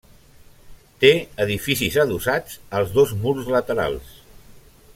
Té edificis adossats als dos murs laterals.